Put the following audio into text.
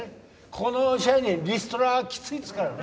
ここの支配人リストラきついですからね。